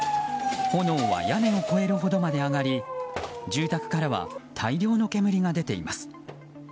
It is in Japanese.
炎は屋根を越えるほどまで上がり住宅からは大量の煙が出ています。